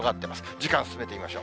時間進めてみましょう。